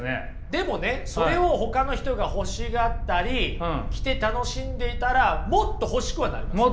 でもねそれをほかの人が欲しがったり着て楽しんでいたらもっと欲しくはなりますよね？